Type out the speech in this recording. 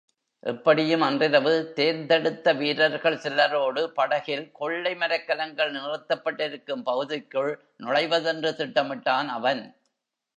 எப்படியும் அன்றிரவு தேர்ந்தெடுத்த வீரர்கள் சிலரோடு படகில் கொள்ளை மரக்கலங்கள் நிறுத்தப்பட்டிருக்கும் பகுதிக்குள் நுழைவதென்று திட்டமிட்டான் அவன்.